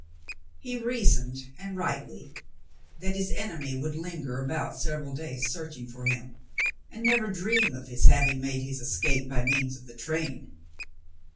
He reasoned, and rightly, that his enemy would linger about several days searching for him, and never dream of his having made his escape by means of the train.